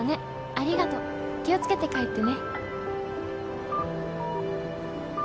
ありがとう気をつけて帰ってね」。